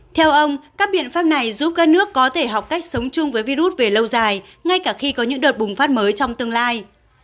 theo ông các biện pháp này giúp các nước có thể học cách sống chung với virus về lâu dài ngay cả khi có những đợt bùng phát mới trong tương lai